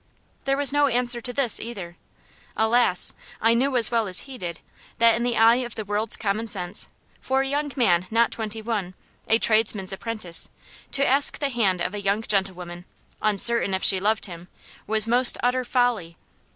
There was no answer to this either. Alas! I knew as well as he did, that in the eye of the world's common sense, for a young man not twenty one, a tradesman's apprentice, to ask the hand of a young gentlewoman, uncertain if she loved him, was most utter folly.